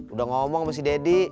udah ngomong sama si deddy